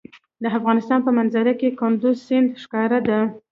د افغانستان په منظره کې کندز سیند ښکاره ده.